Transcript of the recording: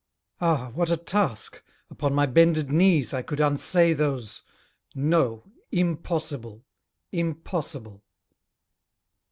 Ah, what a task! upon my bended knees, I could unsay those no, impossible! Impossible!